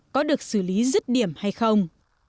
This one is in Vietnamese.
có được xử lý rứt điểm hay không